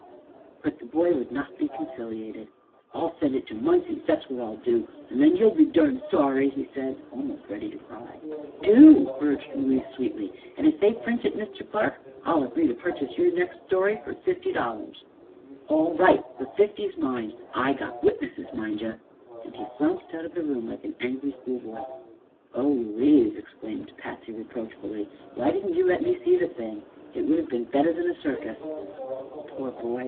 But the boy would not be conciliated. "I'll send it to Munsey's, thet's what I'll do; an' then you'll be durn sorry," he said, almost ready to cry. "Do," urged Louise sweetly. "And if they print it, Mr. Clark, I'll agree to purchase your next story for fifty dollars." "All right; the fifty's mine. I got witnesses, mind ye!" and he flounced out of the room like an angry schoolboy. "Oh, Louise," exclaimed Patsy, reproachfully, "why didn't you let me see the thing? It would have been better than a circus." "Poor boy!"